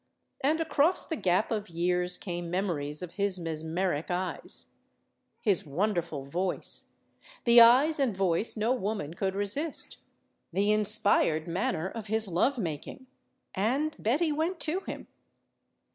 And across the gap of years came memories of his mesmeric eyes, his wonderful voice the eyes and voice no woman could resist the inspired manner of his love making. And Betty went to him.